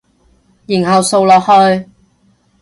然後掃落去